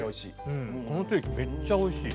このステーキめっちゃおいしい。